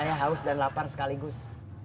saya haus dan delapan sekaligus